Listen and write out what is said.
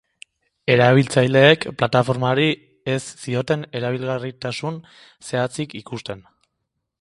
Erabiltzaileek plataformari ez zioten erabilgarritasun zehatzik ikusten.